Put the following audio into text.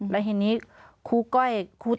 แล้วทีนี้ครูก้อยครู